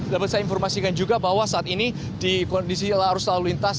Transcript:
dapat saya informasikan juga bahwa saat ini di kondisi arus lalu lintas